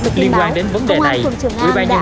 thời gian thực hiện tái kết các hợp đồng